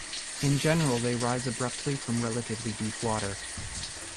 In general, they rise abruptly from relatively deep water.